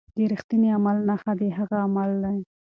د رښتیني عالم نښه د هغه عمل دی.